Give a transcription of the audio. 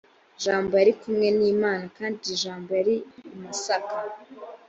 jambo yari kumwe ni imana kandi jambo yari imasaka